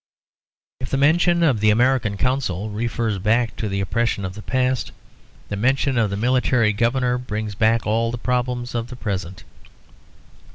If the mention of the American Consul refers back to the oppression of the past, the mention of the Military Governor brings back all the problems of the present.